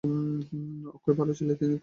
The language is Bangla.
অক্ষয় ভাল ছেলে, আমি তাকে খুব ভালবাসি।